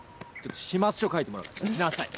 始末書書いてもらうから来なさい。